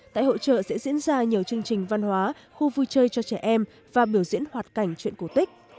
tại hội trợ sẽ diễn ra nhiều chương trình văn hóa khu vui chơi cho trẻ em và biểu diễn hoạt cảnh chuyện cổ tích